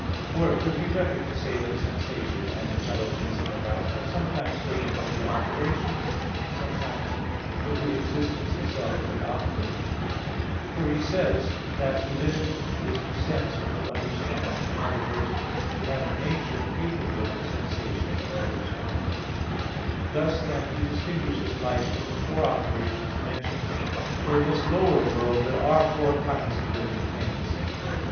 Or it would be better to say that sensation and intelligence and the like, are sometimes taken for the operations, sometimes for the existence itself of the operator. For he says (Ethic. ix, 9) that to live is to sense or to understand in other words, to have a nature capable of sensation or understanding. Thus, then, he distinguishes life by the four operations mentioned. For in this lower world there are four kinds of living things.